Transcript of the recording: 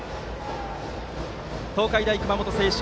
東海大熊本星翔